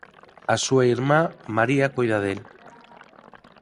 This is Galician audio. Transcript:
A súa irmá María coida del.